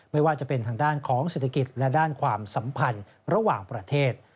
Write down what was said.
ไม่ว่าจะเป็นทางด้านของเศรษฐกิจและด้านความสัมพันธ์ระหว่างประเทศ